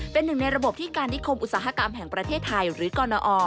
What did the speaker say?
เป็นหนึ่งในระบบที่การนิคมอุตสาหกรรมแห่งประเทศไทยหรือกรณอ